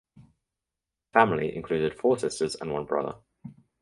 The family included four sisters and one brother.